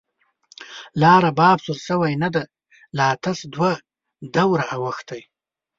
لا رباب سور شوی نه دی، لا تش دوه دوره او ښتی